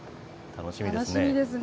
楽しみですね。